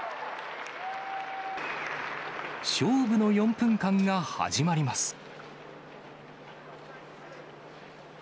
勝負の４分間が始まります。